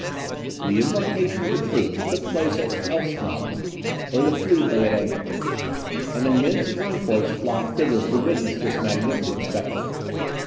The embarkation of the troops took place at Elfsknaben, where the fleet lay at anchor. An immense concourse flocked thither to witness this magnificent spectacle.